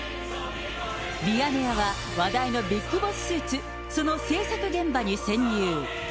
ミヤネ屋は、話題のビッグボススーツ、その製作現場に潜入。